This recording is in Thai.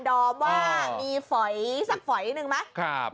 ดอมว่ามีฝอยสักฝอยหนึ่งไหม